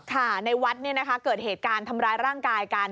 ค่ะในวัดนี่นะคะเกิดเหตุการณ์ทำร้ายร่างกายกัน